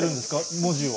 文字を。